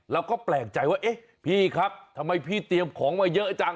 แล้วก็แปลกใจว่าเอ๊ะพี่ครับทำไมพี่เตรียมของมาเยอะจัง